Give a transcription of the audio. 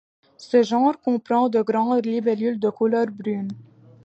Ce genre comprend de grandes libellules de couleur brune.